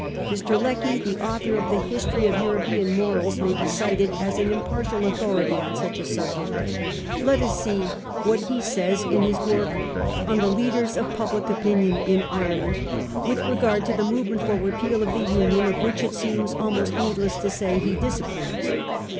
Mr. Lecky, the author of the * History of European Morals,' may be cited as an impartial autho rity on such a subject. Let us see what he says, 280 A HISTORY OF OUR OWN TIMES. ch. xii. in his work on ' The Leaders of Public Opinion in Ireland,' with regard to the movement for repeal of the Union, of which it seems almost needless to say he disapproves.